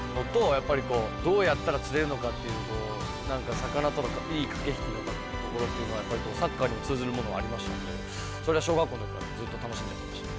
やっぱりこうどうやったら釣れるのかというなんか魚とのいい駆け引きっていうところというのはやっぱりサッカーにも通ずるものがありましたんでそれは小学校の時からずっと楽しんでやってましたね。